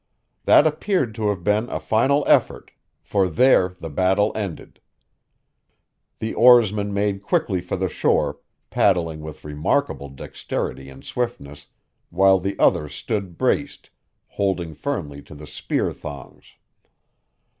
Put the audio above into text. That appeared to have been a final effort, for there the battle ended. The oarsman made quickly for the shore, paddling with remarkable dexterity and swiftness, while the other stood braced, holding firmly to the spear thongs.